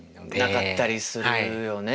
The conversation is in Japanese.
なかったりするよね。